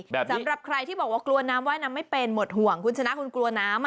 สำหรับใครที่บอกว่ากลัวน้ำว่ายน้ำไม่เป็นหมดห่วงคุณชนะคุณกลัวน้ำอ่ะ